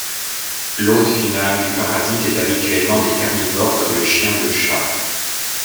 L'hôte final du parasite est habituellement des carnivores comme le chien ou le chat.